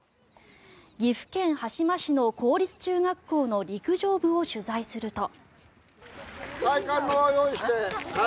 岐阜県羽島市の公立中学校の陸上部を取材すると。